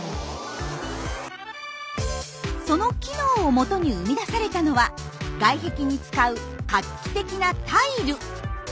その機能をもとに生み出されたのは外壁に使う画期的なタイル。